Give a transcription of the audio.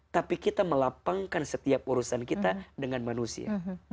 tapi kita melapangkan setiap urusan kita dengan manusia